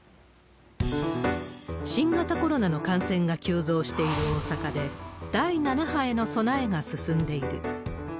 新型コロナの感染が急増している大阪で、第７波への備えが進んでいる。